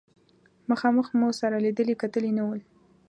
مخامخ مو سره لیدلي کتلي نه ول.